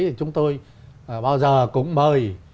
thì chúng tôi bao giờ cũng mời